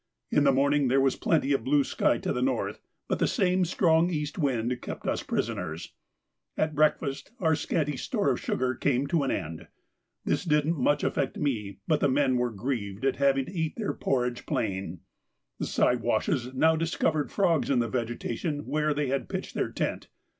In the morning there was plenty of blue sky to the north, but the same strong east wind kept us prisoners. At breakfast our scanty store of sugar came to an end. This didn't affect me much, but the men were grieved at having to eat their porridge plain. The Siwashes now discovered frogs in the vegetation where they had pitched their tent.